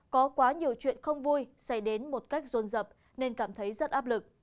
có quá nhiều chuyện không vui xảy đến một cách rôn rập nên cảm thấy rất áp lực